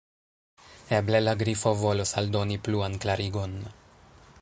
Eble la Grifo volos aldoni pluan klarigon.